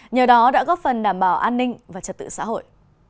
nhờ đó đã góp phần đảm bảo an ninh và trật tự xã hội